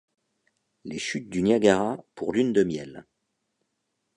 Les chutes du Niagara pour Lunes de miel.